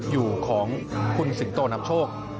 อยู่ของคุณสิงโตนำโชค